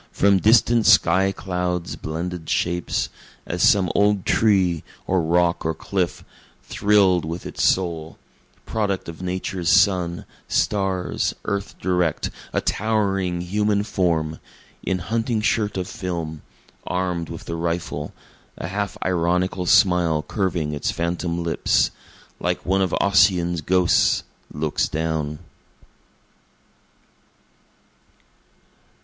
from distant sky clouds' blended shapes, As some old tree, or rock or cliff, thrill'd with its soul, Product of Nature's sun, stars, earth direct a towering human form, In hunting shirt of film, arm'd with the rifle, a half ironical smile curving its phantom lips, Like one of Ossian's ghosts looks down.